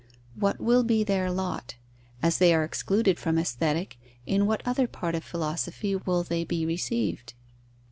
What will be their lot? As they are excluded from Aesthetic, in what other part of Philosophy will they be received?